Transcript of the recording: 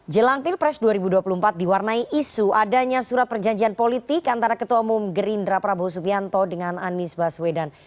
jelang pilpres dua ribu dua puluh empat diwarnai isu adanya surat perjanjian politik antara ketua umum gerindra prabowo subianto dengan anies baswedan